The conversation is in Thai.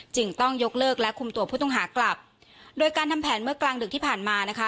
จึงต้องยกเลิกและคุมตัวผู้ต้องหากลับโดยการทำแผนเมื่อกลางดึกที่ผ่านมานะคะ